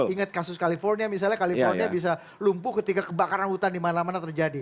ingat kasus california misalnya california bisa lumpuh ketika kebakaran hutan di mana mana terjadi